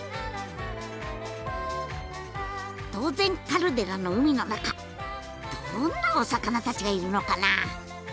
島前カルデラの海の中どんなお魚たちがいるのかな？